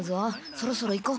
そろそろ行こう。